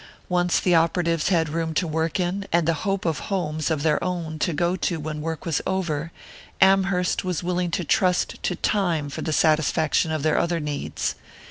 Once the operatives had room to work in, and the hope of homes of their own to go to when work was over, Amherst was willing to trust to time for the satisfaction of their other needs.